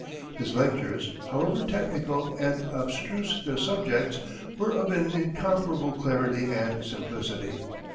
His lectures, however technical and abstruse their subjects, were of an incomparable clarity and simplicity.